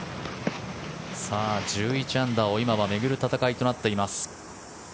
１１アンダーを今は巡る戦いとなっています。